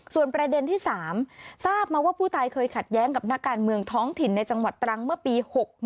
ส่วนประเด็นที่๓ทราบมาว่าผู้ตายเคยขัดแย้งกับนักการเมืองท้องถิ่นในจังหวัดตรังเมื่อปี๖๑